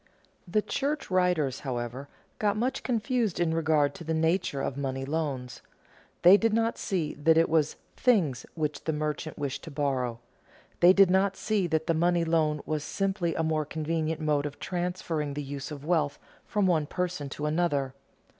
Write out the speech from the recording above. The church writers, however, got much confused in regard to the nature of money loans. They did not see that it was things which the merchant wished to borrow. They did not see that the money loan was simply a more convenient mode of transferring the use of wealth from one person to another.